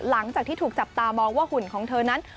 หลังจากที่ถูกจับตามองว่าหุ่นของเธอนั้น